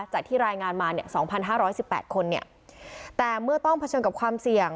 จากที่รายงานมาเนี่ย๒๕๑๘คนเนี่ยแต่เมื่อต้องเผชิญกับความเสี่ยง